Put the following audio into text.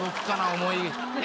思い。